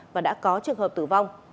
và đã có trường hợp tử vong